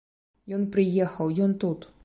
Ён прыехаў, ён тут.